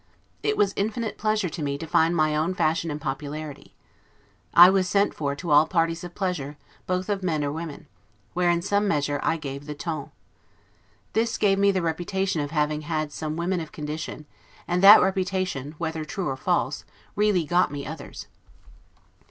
It was infinite pleasure to me to find my own fashion and popularity. I was sent for to all parties of pleasure, both of men or women; where, in some measure, I gave the 'ton'. This gave me the reputation of having had some women of condition; and that reputation, whether true or false, really got me others.